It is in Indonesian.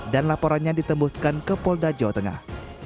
dan laporannya ditembuskan ke polda jawa tengah